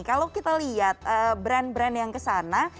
kalau kita lihat brand brand yang kesana